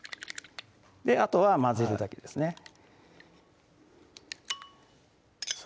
あとは混ぜるだけですね